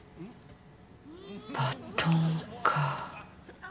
バトンか。